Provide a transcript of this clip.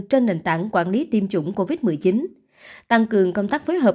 trên nền tảng quản lý tiêm chủng covid một mươi chín tăng cường công tác phối hợp